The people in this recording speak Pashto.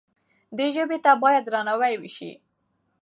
دې ژبې ته باید درناوی وشي.